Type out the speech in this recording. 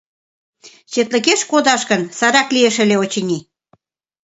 Четлыкеш кодаш гын, сайрак лиеш ыле, очыни...